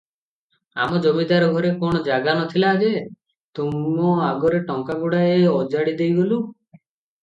ଆମ ଜମିଦାର ଘରେ କଣ ଜାଗା ନ ଥିଲା ଯେ, ତୁମ ଆଗରେ ଟଙ୍କା ଗୁଡାଏ ଓଜାଡ଼ି ଦେଇଗଲୁଁ?